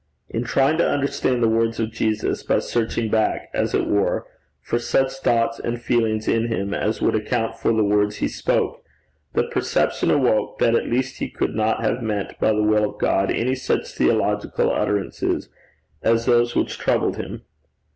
In trying to understand the words of Jesus by searching back, as it were, for such thoughts and feelings in him as would account for the words he spoke, the perception awoke that at least he could not have meant by the will of God any such theological utterances as those which troubled him.